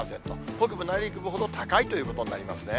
北部、内陸部ほど高いということになりますね。